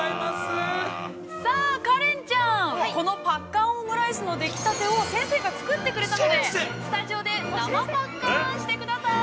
◆さあ花恋ちゃん、このぱっかーんオムライスのできたてを先生が作ってくれたので、スタジオで生ぱっかーん、してください。